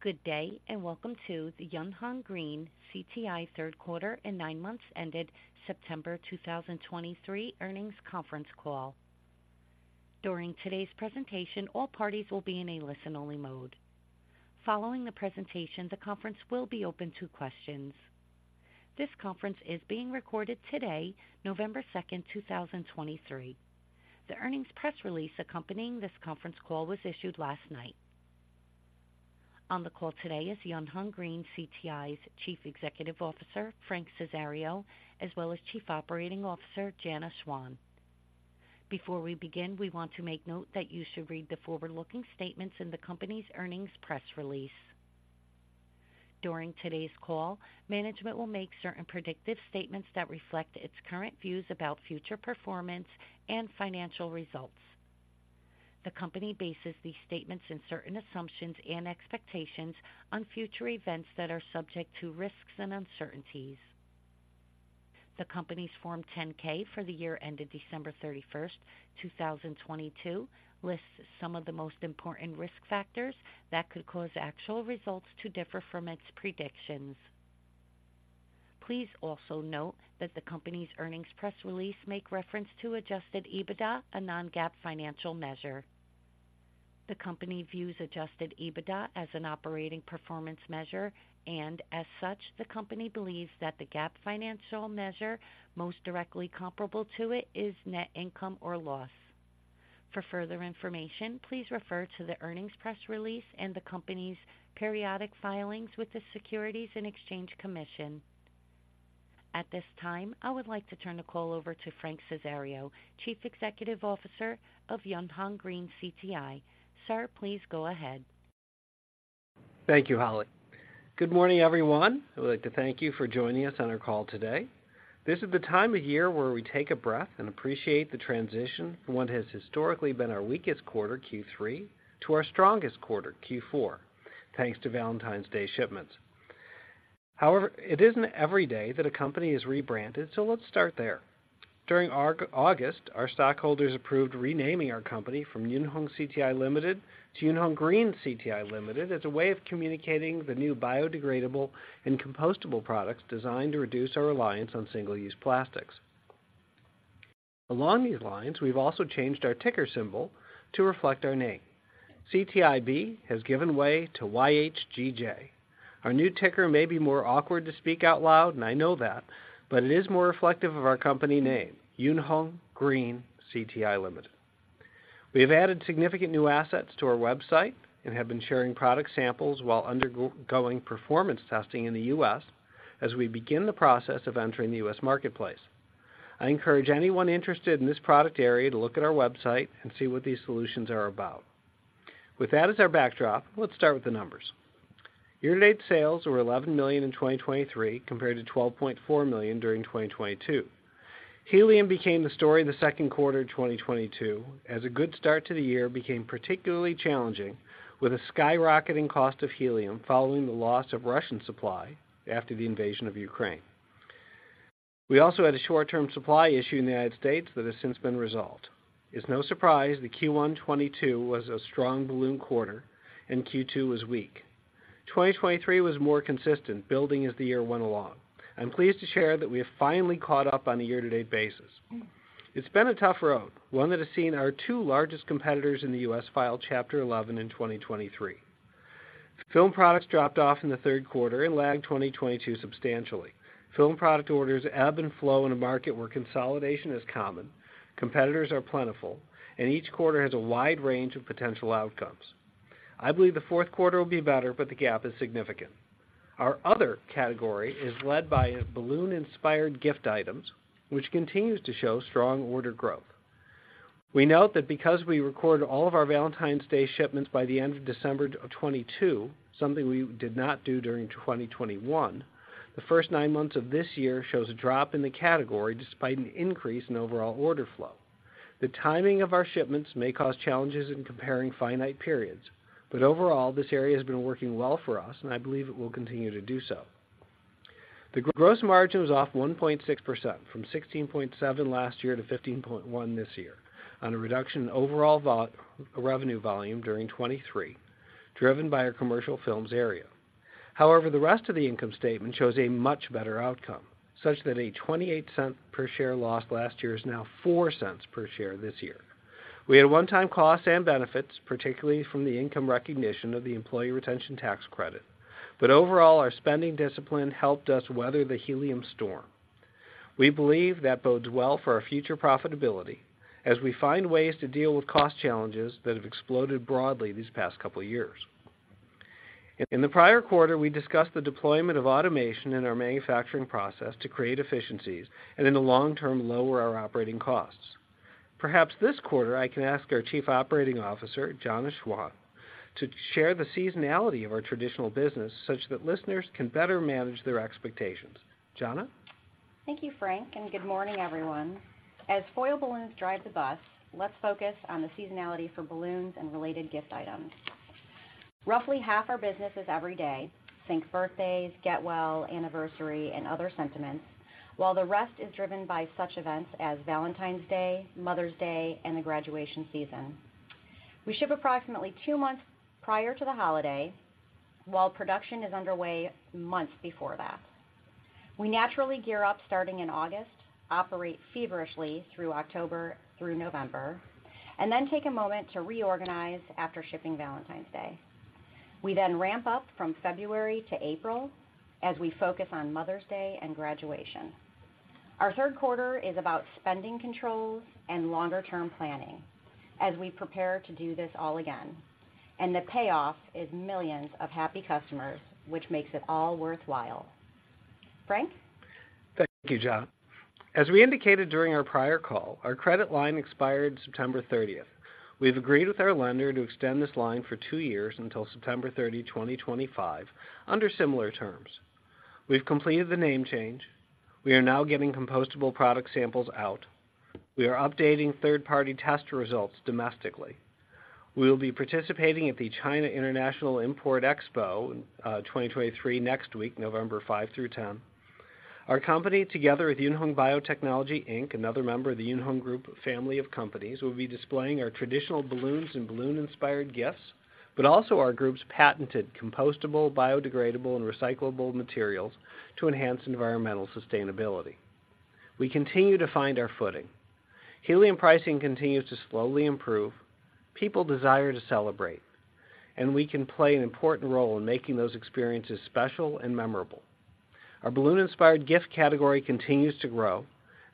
Good day, and welcome to the Yunhong Green CTI third quarter and nine months ended September 2023 earnings conference call. During today's presentation, all parties will be in a listen-only mode. Following the presentation, the conference will be open to questions. This conference is being recorded today, November 2, 2023. The earnings press release accompanying this conference call was issued last night. On the call today is Yunhong Green CTI's Chief Executive Officer, Frank Cesario, as well as Chief Operating Officer, Jana Schwan. Before we begin, we want to make note that you should read the forward-looking statements in the company's earnings press release. During today's call, management will make certain predictive statements that reflect its current views about future performance and financial results. The company bases these statements on certain assumptions and expectations on future events that are subject to risks and uncertainties. The company's Form 10-K for the year ended December 31, 2022, lists some of the most important risk factors that could cause actual results to differ from its predictions. Please also note that the company's earnings press release makes reference to adjusted EBITDA, a non-GAAP financial measure. The company views adjusted EBITDA as an operating performance measure, and as such, the company believes that the GAAP financial measure most directly comparable to it is net income or loss. For further information, please refer to the earnings press release and the company's periodic filings with the Securities and Exchange Commission. At this time, I would like to turn the call over to Frank Cesario, Chief Executive Officer of Yunhong Green CTI. Sir, please go ahead. Thank you, Holly. Good morning, everyone. I would like to thank you for joining us on our call today. This is the time of year where we take a breath and appreciate the transition from what has historically been our weakest quarter, Q3, to our strongest quarter, Q4, thanks to Valentine's Day shipments. However, it isn't everyday that a company is rebranded, so let's start there. During August, our stockholders approved renaming our company from Yunhong CTI Ltd. to Yunhong Green CTI Ltd. as a way of communicating the new biodegradable and compostable products designed to reduce our reliance on single-use plastics. Along these lines, we've also changed our ticker symbol to reflect our name. CTIB has given way to YHGJ. Our new ticker may be more awkward to speak out loud, and I know that, but it is more reflective of our company name, Yunhong Green CTI Limited. We have added significant new assets to our website and have been sharing product samples while undergoing performance testing in the U.S. as we begin the process of entering the U.S. marketplace. I encourage anyone interested in this product area to look at our website and see what these solutions are about. With that as our backdrop, let's start with the numbers. Year-to-date sales were $11 million in 2023, compared to $12.4 million during 2022. Helium became the story of the second quarter of 2022, as a good start to the year became particularly challenging, with a skyrocketing cost of helium following the loss of Russian supply after the invasion of Ukraine. We also had a short-term supply issue in the United States that has since been resolved. It's no surprise that Q1 2022 was a strong balloon quarter and Q2 was weak. 2023 was more consistent, building as the year went along. I'm pleased to share that we have finally caught up on a year-to-date basis. It's been a tough road, one that has seen our two largest competitors in the U.S. file Chapter 11 in 2023. Film products dropped off in the third quarter and lagged 2022 substantially. Film product orders ebb and flow in a market where consolidation is common, competitors are plentiful, and each quarter has a wide range of potential outcomes. I believe the fourth quarter will be better, but the gap is significant. Our other category is led by balloon-inspired gift items, which continues to show strong order growth. We note that because we recorded all of our Valentine's Day shipments by the end of December of 2022, something we did not do during 2021, the first nine months of this year shows a drop in the category, despite an increase in overall order flow. The timing of our shipments may cause challenges in comparing finite periods, but overall, this area has been working well for us, and I believe it will continue to do so. The gross margin was off 1.6%, from 16.7% last year to 15.1% this year, on a reduction in overall volume during 2023, driven by our commercial films area. However, the rest of the income statement shows a much better outcome, such that a $0.28 per share loss last year is now $0.04 per share this year. We had a one-time cost and benefits, particularly from the income recognition of the Employee Retention Tax Credit. But overall, our spending discipline helped us weather the helium storm. We believe that bodes well for our future profitability as we find ways to deal with cost challenges that have exploded broadly these past couple of years. In the prior quarter, we discussed the deployment of automation in our manufacturing process to create efficiencies and in the long term, lower our operating costs. Perhaps this quarter, I can ask our Chief Operating Officer, Jana Schwan, to share the seasonality of our traditional business such that listeners can better manage their expectations. Jana? Thank you, Frank, and good morning, everyone. As foil balloons drive the bus, let's focus on the seasonality for balloons and related gift items. Roughly half our business is every day. Think birthdays, get well, anniversary, and other sentiments, while the rest is driven by such events as Valentine's Day, Mother's Day, and the graduation season. We ship approximately two months prior to the holiday, while production is underway months before that. We naturally gear up starting in August, operate feverishly through October through November, and then take a moment to reorganize after shipping Valentine's Day. We then ramp up from February to April as we focus on Mother's Day and graduation. Our third quarter is about spending controls and longer-term planning as we prepare to do this all again, and the payoff is millions of happy customers, which makes it all worthwhile. Frank? Thank you, Jana. As we indicated during our prior call, our credit line expired September 30. We've agreed with our lender to extend this line for two years, until September 30, 2025, under similar terms. We've completed the name change. We are now getting compostable product samples out. We are updating third-party test results domestically. We will be participating at the China International Import Expo, 2023, next week, November 5 through 10. Our company, together with Yunhong Biotechnology, Inc., another member of the Yunhong Group family of companies, will be displaying our traditional balloons and balloon-inspired gifts, but also our group's patented compostable, biodegradable, and recyclable materials to enhance environmental sustainability. We continue to find our footing. Helium pricing continues to slowly improve. People desire to celebrate, and we can play an important role in making those experiences special and memorable. Our balloon-inspired gift category continues to grow,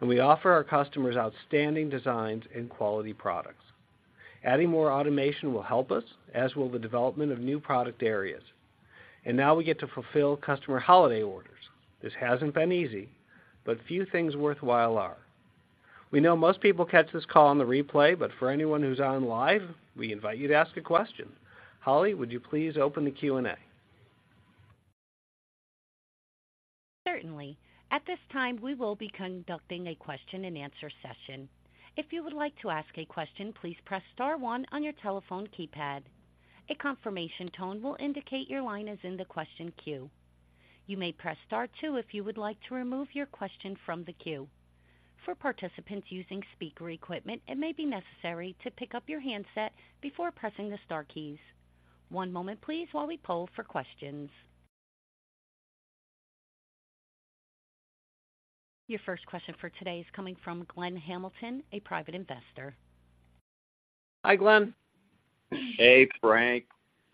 and we offer our customers outstanding designs and quality products. Adding more automation will help us, as will the development of new product areas, and now we get to fulfill customer holiday orders. This hasn't been easy, but few things worthwhile are. We know most people catch this call on the replay, but for anyone who's on live, we invite you to ask a question. Holly, would you please open the Q&A? Certainly. At this time, we will be conducting a question-and-answer session. If you would like to ask a question, please press star one on your telephone keypad. A confirmation tone will indicate your line is in the question queue. You may press star two if you would like to remove your question from the queue. For participants using speaker equipment, it may be necessary to pick up your handset before pressing the star keys. One moment please, while we poll for questions. Your first question for today is coming from Glenn Hamilton, a private investor. Hi, Glenn. Hey, Frank.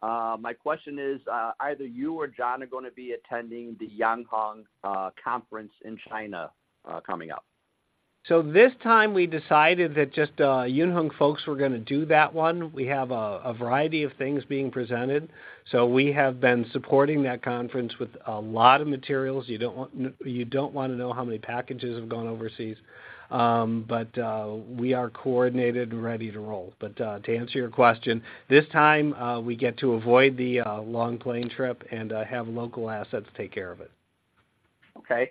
My question is, either you or Jana are going to be attending the Yunhong conference in China, coming up. So this time we decided that just, Yunhong folks were going to do that one. We have a variety of things being presented, so we have been supporting that conference with a lot of materials. You don't want to know how many packages have gone overseas. But, we are coordinated and ready to roll. But, to answer your question, this time, we get to avoid the, long plane trip and, have local assets take care of it. Okay.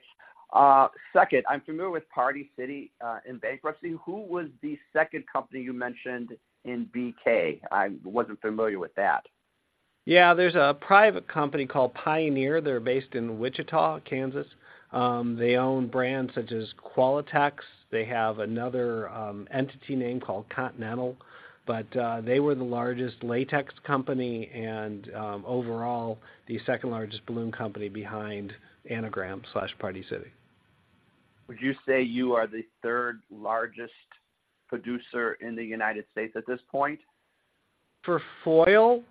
Second, I'm familiar with Party City in bankruptcy. Who was the second company you mentioned in BK? I wasn't familiar with that. Yeah. There's a private company called Pioneer. They're based in Wichita, Kansas. They own brands such as Qualatex. They have another entity name called Continental, but they were the largest latex company and overall, the second-largest balloon company behind Anagram/Party City. Would you say you are the third-largest producer in the United States at this point? For foil?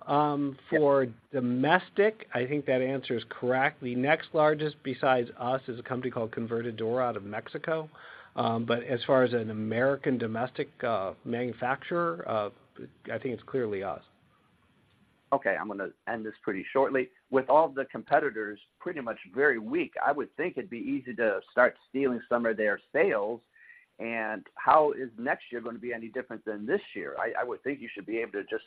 For domestic, I think that answer is correct. The next largest, besides us, is a company called Convertidora out of Mexico. But as far as an American domestic manufacturer, I think it's clearly us. Okay, I'm going to end this pretty shortly. With all the competitors pretty much very weak, I would think it'd be easy to start stealing some of their sales. How is next year going to be any different than this year? I would think you should be able to just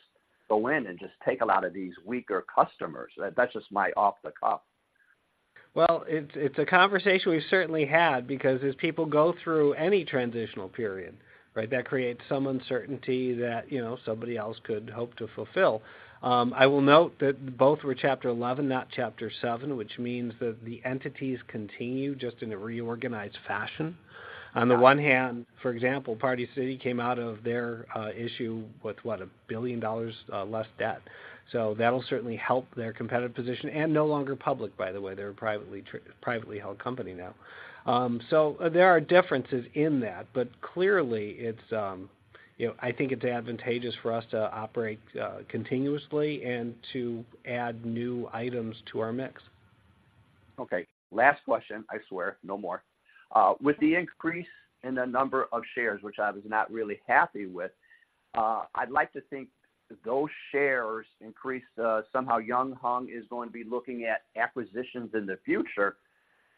go in and just take a lot of these weaker customers. That's just my off-the-cuff. Well, it's a conversation we've certainly had, because as people go through any transitional period, right, that creates some uncertainty that, you know, somebody else could hope to fulfill. I will note that both were Chapter 11, not Chapter seven, which means that the entities continue just in a reorganized fashion. On the one hand, for example, Party City came out of their issue with, what, $1 billion less debt. So that'll certainly help their competitive position and no longer public, by the way. They're a privately held company now. So there are differences in that, but clearly it's, you know, I think it's advantageous for us to operate continuously and to add new items to our mix. Okay, last question, I swear, no more. With the increase in the number of shares, which I was not really happy with, I'd like to think that those shares increase, somehow Yunhong is going to be looking at acquisitions in the future,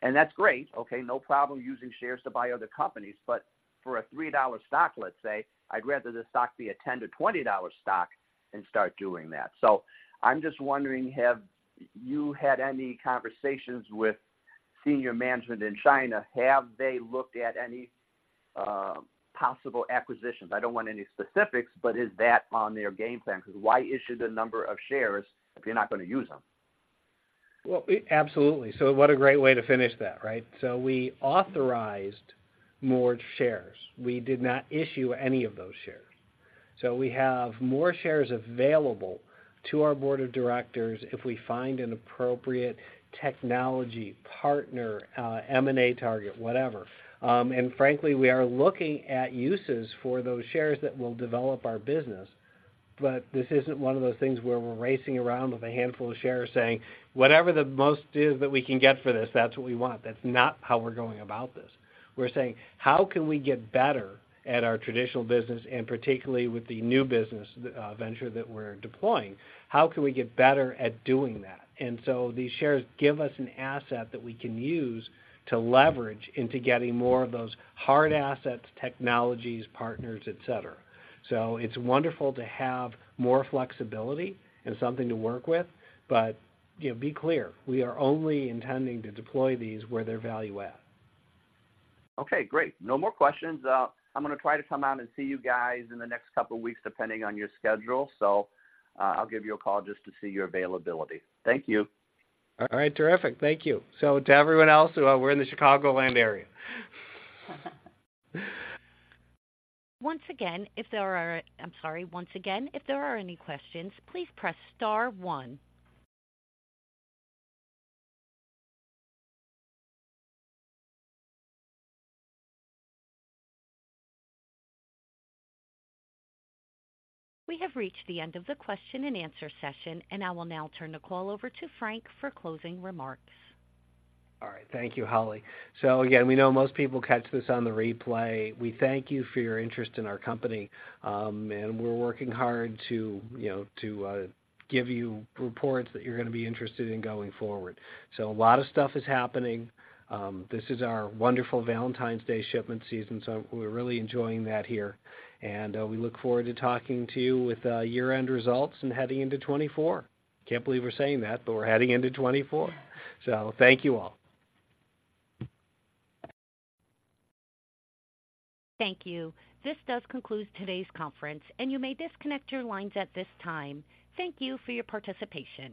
and that's great. Okay, no problem using shares to buy other companies, but for a $3 stock, let's say, I'd rather the stock be a $10-$20 stock and start doing that. So I'm just wondering, have you had any conversations with senior management in China? Have they looked at any, possible acquisitions? I don't want any specifics, but is that on their game plan? Because why issue the number of shares if you're not going to use them? Well, absolutely. So what a great way to finish that, right? So we authorized more shares. We did not issue any of those shares. So we have more shares available to our board of directors if we find an appropriate technology partner, M&A target, whatever. And frankly, we are looking at uses for those shares that will develop our business. But this isn't one of those things where we're racing around with a handful of shares, saying, "Whatever the most is that we can get for this, that's what we want." That's not how we're going about this. We're saying: How can we get better at our traditional business, and particularly with the new business venture that we're deploying, how can we get better at doing that? These shares give us an asset that we can use to leverage into getting more of those hard assets, technologies, partners, et cetera. It's wonderful to have more flexibility and something to work with, but, you know, be clear, we are only intending to deploy these where they're value add. Okay, great. No more questions. I'm going to try to come out and see you guys in the next couple of weeks, depending on your schedule. So, I'll give you a call just to see your availability. Thank you. All right. Terrific. Thank you. So to everyone else, we're in the Chicagoland area. Once again, if there are, I'm sorry. Once again, if there are any questions, please press star one. We have reached the end of the question and answer session, and I will now turn the call over to Frank for closing remarks. All right. Thank you, Holly. So again, we know most people catch this on the replay. We thank you for your interest in our company. We're working hard to, you know, give you reports that you're going to be interested in going forward. So a lot of stuff is happening. This is our wonderful Valentine's Day shipment season, so we're really enjoying that here, and we look forward to talking to you with year-end results and heading into 2024. Can't believe we're saying that, but we're heading into 2024. So thank you all. Thank you. This does conclude today's conference, and you may disconnect your lines at this time. Thank you for your participation.